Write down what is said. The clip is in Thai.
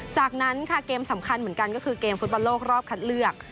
จากนั้นค่ะเกมสำคัญเหมือนกันก็คือเกมฟุตบอลโลกรอบคัดเลือก